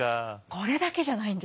これだけじゃないんです。